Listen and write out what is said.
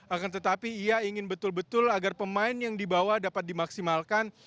akan tetapi ia ingin betul betul agar pemain yang dibawa dapat dimaksimalkan